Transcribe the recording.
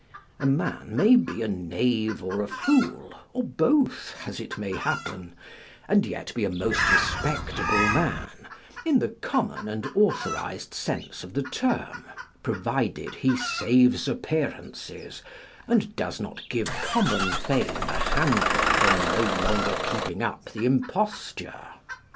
A man may be a knave or a fool, or both (as it may happen), and yet be a most respectable man, in the common and authorised sense of the term, pro vided he saves appearances, and does not give common fame a handle for no longer keeping up the imposture.